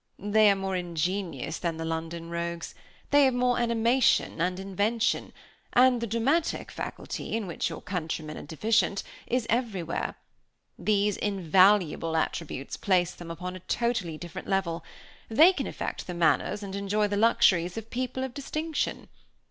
They are more ingenious than the London rogues; they have more animation and invention, and the dramatic faculty, in which your countrymen are deficient, is everywhere. These invaluable attributes place them upon a totally different level. They can affect the manners and enjoy the luxuries of people of distinction.